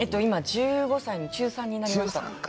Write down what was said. １５歳、中３になりました。